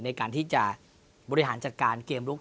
ในการที่จะบริหารจัดการเกมลุก